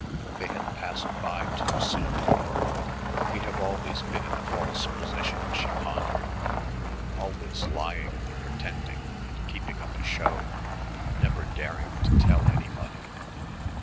They had passed by too soon. We have always been in a false position, she pondered. Always lying and pretending and keeping up a show never daring to tell anybody....